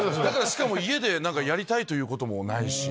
しかも家でやりたいということもないし。